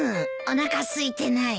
おなかすいてない。